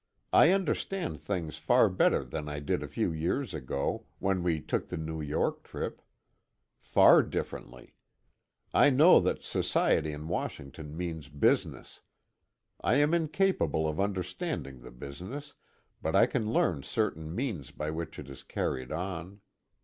I understand things far better than I did a few years ago, when we took the New York trip. Far differently! I know that society in Washington means business. I am incapable of understanding the business, but I can learn certain means by which it is carried on.